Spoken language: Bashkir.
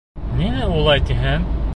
Ниңә улай тиһең?